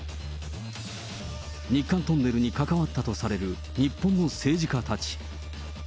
日韓トンネルに関わったとされる日本の政治家たち。